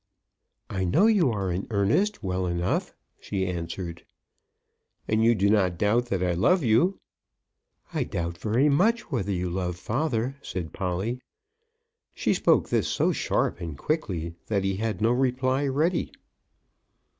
"I know you are in earnest well enough," she answered. "And you do not doubt that I love you?" "I doubt very much whether you love father," said Polly. She spoke this so sharp and quickly that he had no reply ready.